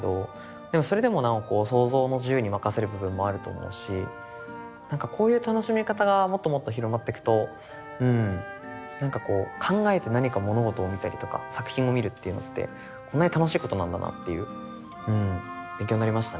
でもそれでもなお想像の自由に任せる部分もあると思うしなんかこういう楽しみ方がもっともっと広まってくとなんかこう考えて何か物事を見たりとか作品を見るっていうのってこんなに楽しいことなんだなっていう勉強になりましたね。